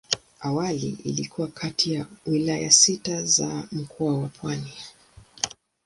Awali ilikuwa kati ya wilaya sita za Mkoa wa Pwani.